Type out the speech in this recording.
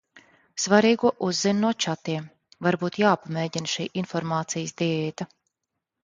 Svarīgo uzzin no čatiem. Varbūt jāpamēģina šī informācijas diēta.